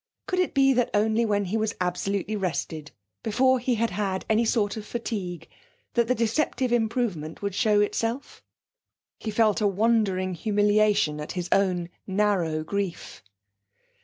Could it be that only when he was absolutely rested, before he had had any sort of fatigue, that the deceptive improvement would show itself? He felt a wondering humiliation at his own narrow grief.